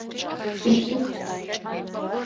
Şüşıs!